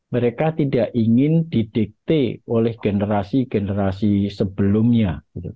mereka tidak ingin didikte oleh generasi generasi sebelumnya